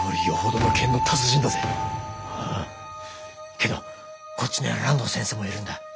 けどこっちには爛堂先生もいるんだ。